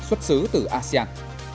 xuất xứ từ asean